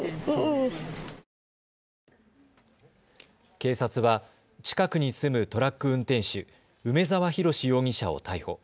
警察は近くに住むトラック運転手、梅澤洋容疑者を逮捕。